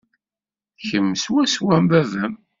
Kemm swaswa am baba-m.